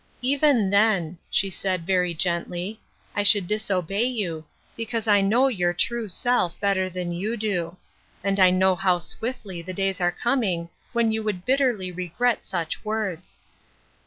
" Even then," she said, very gently, " I should disobey you, because I know your true self better than you do ;. and I know how swiftly the days are coming when you would bitterly regret such words.